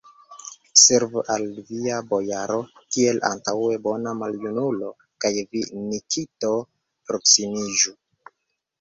Servu al via bojaro, kiel antaŭe, bona maljunulo, kaj vi, Nikito, proksimiĝu!